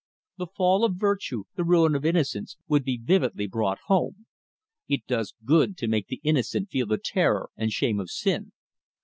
The fall of virtue, the ruin of innocence, would be vividly brought home. It does good to make the innocent feel the terror and shame of sin.